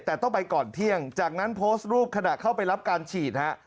แต่ต้องไปก่อนเที่ยงจากนั้นโพสต์รูปขณะเข้าไปรับการฉีดฮะ